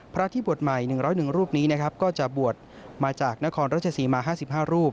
พระที่บวชใหม่๑๐๑รูปนี้นะครับก็จะบวชมาจากนครราชศรีมา๕๕รูป